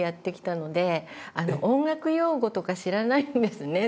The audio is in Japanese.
音楽用語とか知らないんですね